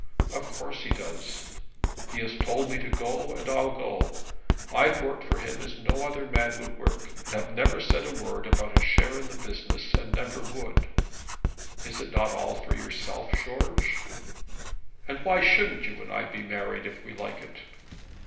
'Of course he does.' 'He has told me to go; and I'll go. I've worked for him as no other man would work, and have never said a word about a share in the business; and never would.' 'Is it not all for yourself, George?' 'And why shouldn't you and I be married if we like it?'